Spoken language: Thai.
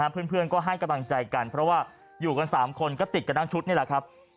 เพื่อนก็ให้กำลังใจกันเพราะว่าอยู่กัน๓คนก็ติดกันทั้งชุดนี่แหละครับ